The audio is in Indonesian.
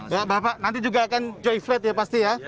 bapak nanti juga akan joy flat ya pasti ya